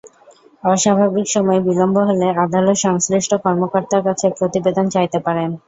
অস্বাভাবিক সময় বিলম্ব হলে আদালত সংশ্লিষ্ট কর্মকর্তার কাছে প্রতিবেদন চাইতে পারেন।